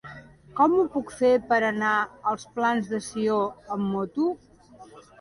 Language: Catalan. Com ho puc fer per anar als Plans de Sió amb moto?